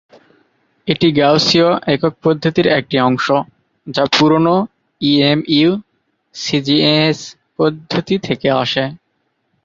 এটি গাউসীয় একক পদ্ধতির একটি অংশ, যা পুরোনো ইএমইউ-সিজিএস পদ্ধতি থেকে আসে।